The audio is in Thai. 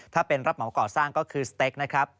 ถ้าเป็นรับเหมาก่อสร้างก็คือสเต็กนะครับ